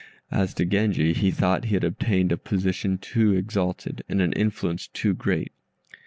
As to Genji, he thought he had obtained a position too exalted, and an influence too great.